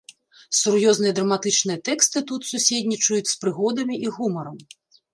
Сур'ёзныя драматычныя тэксты тут суседнічаюць з прыгодамі і гумарам.